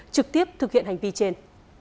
trực tiếp thực hiện hành vi trên